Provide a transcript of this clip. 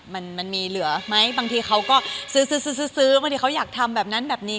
มันมันมีเหลือไหมบางทีเขาก็ซื้อซื้อบางทีเขาอยากทำแบบนั้นแบบนี้